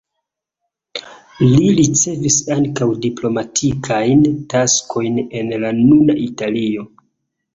Li ricevis ankaŭ diplomatiajn taskojn en la nuna Italio.